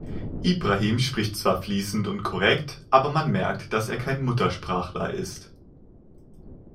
Ibrahim spricht zwar fließend und korrekt, aber man merkt, dass er kein Muttersprachler ist.